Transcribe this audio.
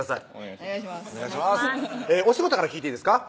お仕事から聞いていいですか？